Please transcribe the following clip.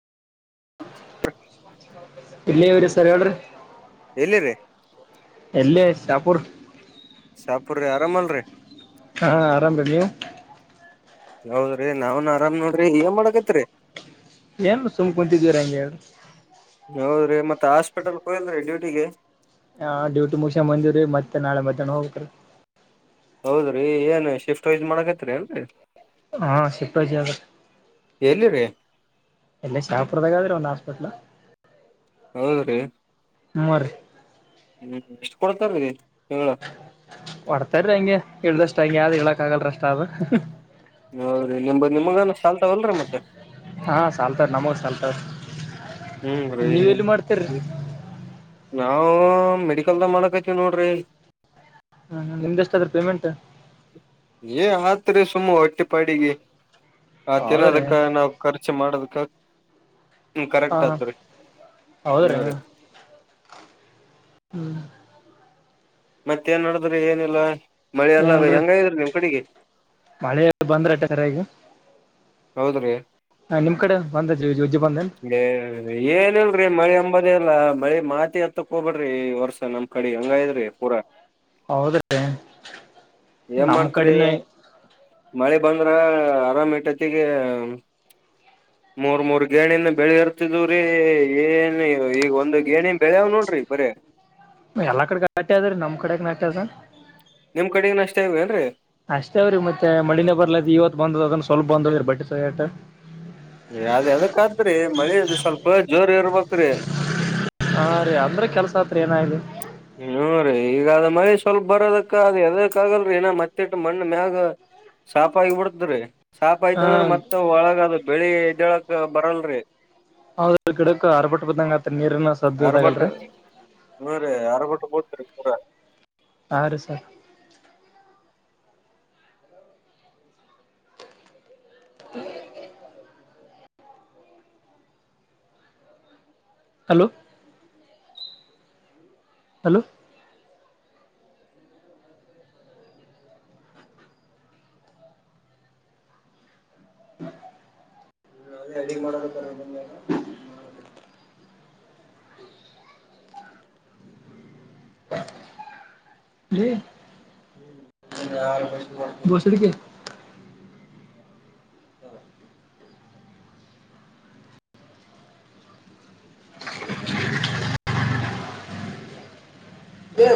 ಇಲ್ಲವ ಸರ ಹೇಳ್ ರಿ ಎಲ್ಲಿ್ರೀ ಶಾಪುರ್ ಶಾಪುರ್ರಿ ಆರಾಮಲ್ರಿ ಹಾ ಆರಾಮ ರೀ ನೀವು ಹೌದ್ರಿ ನಾವನ್ ಆರಾಮ ನೋಡ್ರಿ ಏನ್ ಮಾಡಕೈತ್ರಿ ಏನ್ ಸುಮ್ ಕುಂತಿದೀರ ಹೆಂಗೆ ಹೇಳಿ ಹೌದ್ರಿ ಮತ್ತೆ ಹಾಸ್ಪಿಟಲ್ ಹೋಲ್ರರಿ ಡ್ಯೂಟಿಗೆ ಹಾ ಡ್ಯೂಟಿ ಮುಸ ಮಂಜೂರಿ ಮತ್ತೆ ನಾಳೆ ಮಧ್ಯಾಹ್ನ ಹೋಗತ್ರಿ ಹೌದ್ರಿ ಏನ್ ಶಿಫ್ಟ್ ವೈಸ್ ಮಾಡಕತ್ರಿ ಅಲ್ರರಿ ಹಾ ಶಿಫ್ಟಾಯಯಾಗ ಎಲ್ಲಿರಿ ಎಲ್ಲ ಶ್ಟಾಹಪುರದಾಗ್ರೆ ಒಂದು ಹಾಸ್ಪಿಟ್ಲ್ ಹೌದ ರೀ ಮೂವರ್ ಹ್ಮ್ ಎಷ್ಟು ಕೊಡ್ತಾರೀ ತಿಂಗಳ ಹೊಡ್ತಾರ್ರೀ ಹಂಗೆ ಇಳ್ದಷ್ಟ್ ಹಂಗೆ ಯಾವ್ದ್ ಹೇಳಕ್ ಆಗಲ್ ಅಷ್ಟ ಅ ಹೌದ್ರರಿ ನಿಮ ನಿಮಗನ ಸಲ್ತಾವಲ್ರರಿ ಮತ್ತೆ ಹಾ ಸಾಲ್ತಾರ ನಮಗ್ ಸಾಲ್ತಾರ ಹ್ಮ್ೀ ನೀವ್ ಎಲ್ಲಿ ಮಾಡ್ತೀರಿ ನಾವು್ ಮೆ ಅ ಕಲ್ದ ಮಾಡಕತಿ ನೋಡ್ರಿ ಹ್ಮ ನಿಮ್ದ ಎಷ್ಟಾದ್ರೆ ಪೇಮೆಂಟ್ ಏ ಹತ್ರಿ ಸುಮ್ಮ ಹೊಟ್ಟಿ ಪಾಡಿಗೆ ಆತೇನ ಹೌದ್ರೀ ಅದಕ್ಕ ನಾವ್ ಖರ್ಚು ಮಾಡೋದಕ್ಕ. ಹ್ಮ ಹಾ ಕರೆಕ್ಟ್ ಹಾ ಆತರಿೀ ಹ್ಮ ಹೌದ್ರೀ ರರಿ. ಹ್ಮ್. ಮತ್ತೇನ್ ನಡಿದ್ರೆ ಏನಿಲ್ಲ. ಮಳೆ ಎಲ್ಲ ಏನ್ರೀ ಹೆಂಗ ಇದ್ರ ನಿಮ್ ಕಡೆಗೆ. ಮಳೆ ಬಂದ್ರ ಅಟ್ಟೆ ಸರಿಯಾಗಿ ಹೌದ್ರಿ ಹಾ ನಿಮ್ ಕಡೆ ಬಂದ ಜ ಜಜ್ಜಿ ಬಂದೇನ್ ಏನಲ್ರಿ ಮಳೆ ಅಂಬತ್. ಅಲ್ಲಾ ಬಳಿ ಮಾತಿ ಹತ್ತಕ್ಕ ಹ್ಬೇಡ್ರಿ ವರ್ಷ ನಮ್ ಕಡೆ ಹಂಗ ಇದ್ರಿ ಪೂರಾ. ಹೌದ್ರೀ ಎ ನಮ್ ಮಾಡತ್ರ ಕಡಿನ ಮಳೆ ಬಂದು ರ ಆರಾಮ್ ಇಟ್ಟೈತಿಗೆ ಮೂರ್ ಮೂರ್ ಗೇಣಿಂದ ಬೆಳಿ ಇರ್ತಿದವ್ರೀ ಏನ್ ಈಗ ಒಂದ ಎಲ್ಲಾ ಕಡೆಟಿ ಅದ್ರೀ ನಮ್ ಕಡೆ ನಟಿ ಅದ ನಿಮ್ ಕಡೆಗಿನ ಅಷ್ಟೇ ಇವೇನ್ರಿ ಅಷ್ಟೇವ್ರೀ ಮತ್ತೆ ಮಳಿನೇ ಬರ್ಲದ ಇವತ್ತು ಬಂದ ಅದನ್ನು ಸ್ವಲ್ಪ ಬಂದು ಇರ್ಬಟ್ಟ ಸಯಟ ಅ್ದ ಅದಕ್ಕಾದ್ರೆ ಮಳೆಯಲ್ಲಿ ಸ್ವಲ್ಪ ಜೋರ್ ಇರ್ಬೇಕು ಹಾ ರೀ ಅಂದ್ರೆ ಕೆಲ್ಸ ಹತ್ರ ಏನಾಯು ಹೂ ರೀ ಈಗ ಅದ ಮಳಿ ಸ್ವಲ್ಪ ಬರೋದಕ್ಕ ಅ ಎದಕ್ ಆಗಲ್ರರಿ ಏನ ಮತ್ತೆಟ್ಟ ಮಣ್ಣ ಮ್ಯಾಗ ಸಾಪ ಆಗಿಬಡ್ತ್ರಿ ಸಾಪ ಹಾ ಆಯ್ತ ಅಂದ್ರ ಮತ್ತ ಒಳಗದು ಬೆಳಿ ಇದ್ದಳಕ ಬರಲ್ರಿ ಹೌದ ಗಿಡಕ ಆರ್ಬಟ್ ಬದಂಗತ್ರ ನೀರನ ಸದ್ದದಗಲ್ರಿ ಬರ ಆರು ಸರ್ ಹ್ಮ ಹಲೋ ಹಲೋ ಹ್ಮ ಅದೇ ಅ ಮಾಡದ ಹೇಳ ಬಸರಿಕ್ಕೆ